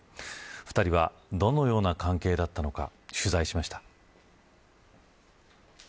２人はどのような関係だったのか取材しました。